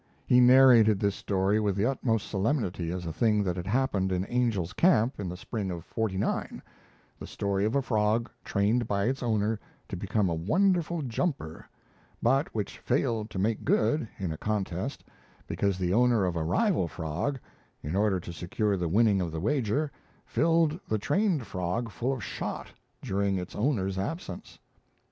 He narrated this story with the utmost solemnity as a thing that had happened in Angel's Camp in the spring of '49 the story of a frog trained by its owner to become a wonderful jumper, but which failed to "make good" in a contest because the owner of a rival frog, in order to secure the winning of the wager, filled the trained frog full of shot during its owner's absence.